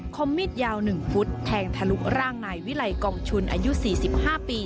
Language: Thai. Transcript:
คมมิตยาวหนึ่งฟุตแทงทะลุร่างนายวิไลกองชุนอายุสี่สิบห้าปี